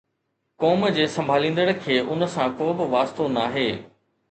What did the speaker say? قوم جي سنڀاليندڙ کي ان سان ڪو به واسطو ناهي